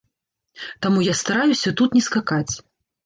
Таму я стараюся тут не скакаць.